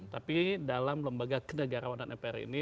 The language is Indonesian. tapi dalam lembaga kedegarawan dan mpr ini